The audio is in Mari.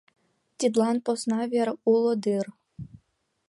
Тидлан посна вер уло дыр.